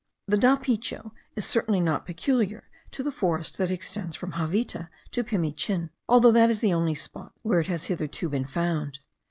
The dapicho is certainly not peculiar to the forest that extends from Javita to Pimichin, although that is the only spot where it has hitherto been found.